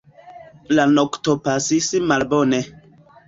La nokto pasis malbone.